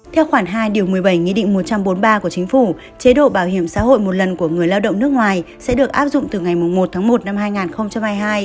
theo khoản hai điều một mươi bảy nghị định một trăm bốn mươi ba của chính phủ chế độ bảo hiểm xã hội một lần của người lao động nước ngoài sẽ được áp dụng từ ngày một tháng một năm hai nghìn hai mươi hai